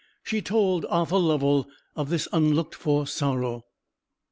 She told Arthur Lovell of this unlooked for sorrow.